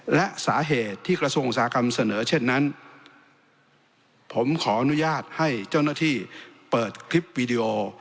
และสาเหตุที่กระทรวงอุตสาหกรรมเสนอเช่นนั้นผมขออนุญาตให้เจ้าหน้าที่เปิดคลิปวีดีโอ